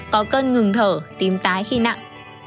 có cân ngừng thở tím tái khi nặng